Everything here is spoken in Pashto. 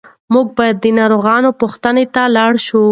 موږ باید د ناروغانو پوښتنې ته لاړ شو.